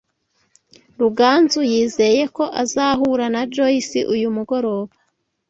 Ruganzu yizeye ko azahura na Joyce uyu mugoroba.